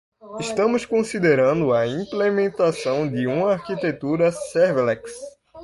Estamos considerando a implementação de uma arquitetura serverless.